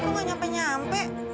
kok gak nyampe nyampe